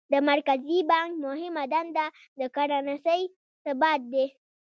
د مرکزي بانک مهمه دنده د کرنسۍ ثبات دی.